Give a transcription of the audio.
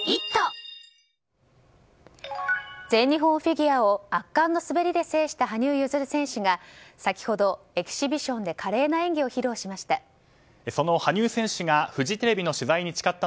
全日本フィギュアを圧巻の滑りで制した羽生結弦選手が先ほどエキシビションで華麗な演技を披露しました。